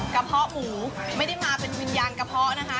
เพาะหมูไม่ได้มาเป็นวิญญาณกระเพาะนะคะ